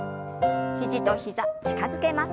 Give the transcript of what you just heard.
肘と膝近づけます。